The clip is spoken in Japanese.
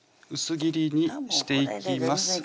薄切りにしていきます